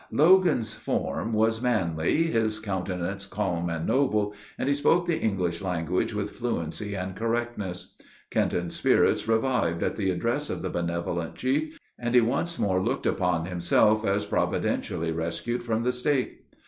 Logan's form was manly, his countenance calm and noble, and he spoke the English language with fluency and correctness. Kenton's spirits revived at the address of the benevolent chief, and he once more looked upon himself as providentially rescued from the stake.